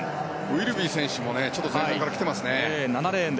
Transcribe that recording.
ウィルビー選手も前半からきてますね。